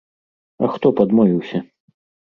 А хто б адмовіўся?